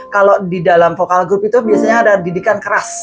kalau di dalam vokal group itu biasanya ada didikan keras